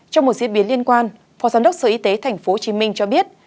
trong một diễn biến liên quan phó giám đốc sở y tế tp hcm cho biết